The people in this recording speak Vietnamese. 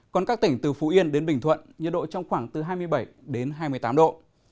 còn các tỉnh từ phú yên đến bình thuận nhiệt độ trong khoảng từ hai mươi bảy đến hai mươi tám độ